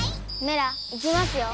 メラいきますよ。